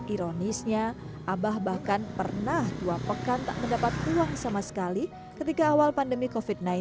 ironisnya abah bahkan pernah dua pekan tak mendapat uang sama sekali ketika awal pandemi covid sembilan belas